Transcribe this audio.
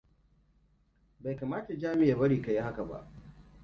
Bai kamata Jami ya bari ka yi haka ba.